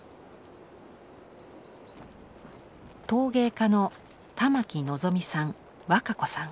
陶芸家の玉城望さん若子さん。